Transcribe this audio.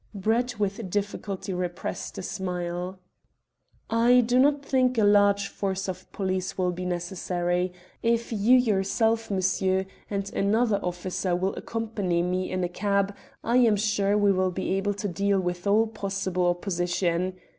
Brett with difficulty repressed a smile. "I do not think that a large force of police will be necessary. If you yourself, monsieur, and another officer will accompany me in a cab, I am sure we will be able to deal with all possible opposition.